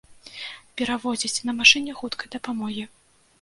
Перавозяць на машыне хуткай дапамогі.